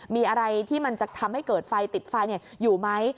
มีอะไรที่มันจะทำให้เกิดไฟติดไฟอยู่ไหม